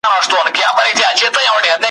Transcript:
لکه سیوری داسي ورک سوم تا لا نه یم پېژندلی `